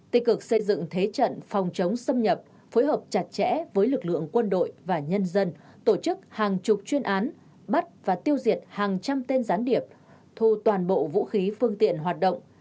tích cực xây dựng thế trận phòng chống xâm nhập phối hợp chặt chẽ với lực lượng quân đội và nhân dân tổ chức hàng chục chuyên án bắt và tiêu diệt hàng trăm tên gián điệp thu toàn bộ vũ khí phương tiện hoạt động